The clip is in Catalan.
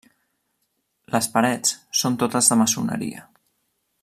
Les parets són totes de maçoneria.